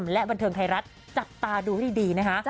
และบันเทิงไทยรัฐจับตาดูให้ดีนะคะ